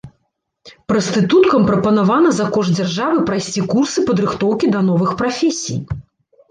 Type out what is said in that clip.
Прастытуткам прапанавана за кошт дзяржавы прайсці курсы падрыхтоўкі да новых прафесій.